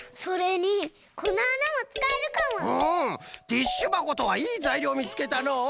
ティッシュばことはいいざいりょうみつけたのう。